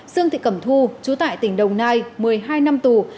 dương thị cẩm thu chú tại tỉnh đồng nai một mươi hai năm tù